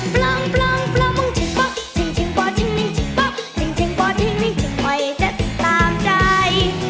ปล่องปล่องปล่องมองจิงปะจิงจิงปอนจิงนิ่งจิงปะจิงจิงปอนจิงนิ่งจิดคอยจัดให้ตามใจ